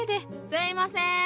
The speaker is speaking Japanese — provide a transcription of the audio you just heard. ・すいません。